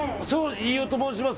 飯尾と申します。